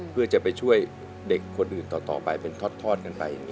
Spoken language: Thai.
เพื่อจะไปช่วยเด็กคนอื่นต่อไปเป็นทอดกันไป